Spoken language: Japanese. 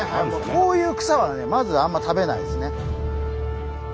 こういう草はねまずあんま食べないですね。